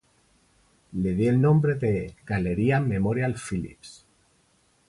Le dio el nombre de "Galería Memorial Phillips".